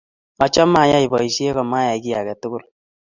achame ayae boisie ko mayai kiy aketukul